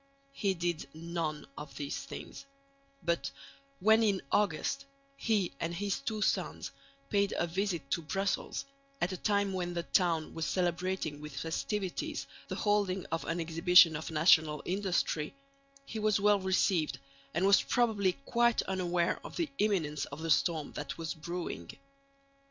He did none of these things; but, when in August, he and his two sons paid a visit to Brussels at a time when the town was celebrating with festivities the holding of an exhibition of national industry, he was well received and was probably quite unaware of the imminence of the storm that was brewing.